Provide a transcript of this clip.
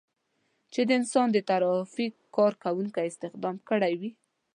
چې د انسان د ترافیک کار کوونکو استخدام کړي وو.